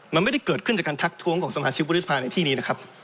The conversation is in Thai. มันไม่ได้เกิดขึ้นจากการทักท้วงของสมาชิกวุฒิสภาในที่นี้นะครับ